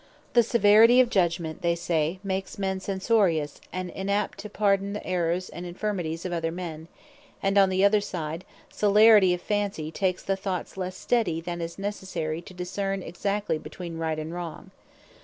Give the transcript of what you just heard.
The Severity of Judgment, they say, makes men Censorious, and unapt to pardon the Errours and Infirmities of other men: and on the other side, Celerity of Fancy, makes the thoughts lesse steddy than is necessary, to discern exactly between Right and Wrong.